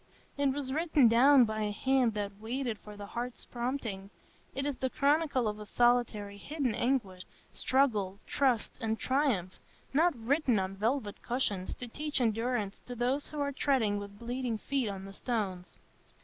It was written down by a hand that waited for the heart's prompting; it is the chronicle of a solitary, hidden anguish, struggle, trust, and triumph, not written on velvet cushions to teach endurance to those who are treading with bleeding feet on the stones.